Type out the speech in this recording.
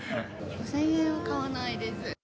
５０００円は買わないです。